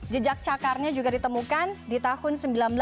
jejak cakarnya juga ditemukan di tahun seribu sembilan ratus delapan puluh